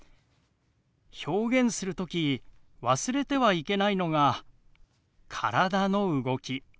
表現する時忘れてはいけないのが体の動き。